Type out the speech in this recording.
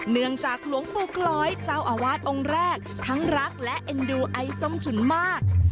หลวงจากหลวงปู่คล้อยเจ้าอาวาสองค์แรกทั้งรักและเอ็นดูไอ้ส้มฉุนมาก